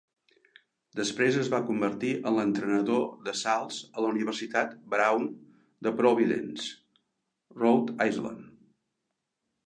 Després es va convertir en l'entrenador de salts a la Universitat Brown de Providence, Rhode Island.